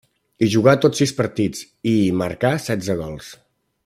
Hi jugà tots sis partits i hi marcà setze gols.